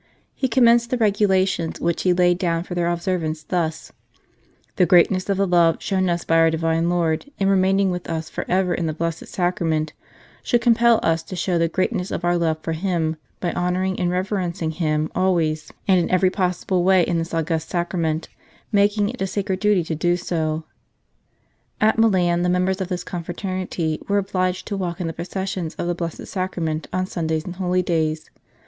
He commenced the regulations which he laid down for their observance thus :" The greatness of the love shown us by our Divine Lord in remaining with us for ever in the Blessed Sacrament should com pel us to show the greatness of our love for Him by honouring and reverencing Him always and in 161 M St. Charles Borromeo every possible way in this august Sacrament, making it a sacred duty to do so." At Milan the members of this confraternity were obliged to walk in the processions of the Blessed Sacrament on Sundays and holidays.